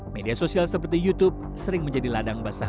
media sosial seperti youtube sering menjadi ladang basah